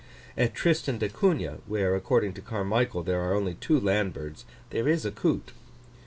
At Tristan d'Acunha, where, according to Carmichael, there are only two land birds, there is a coot.